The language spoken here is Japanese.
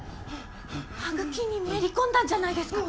歯茎にめり込んだんじゃないですか？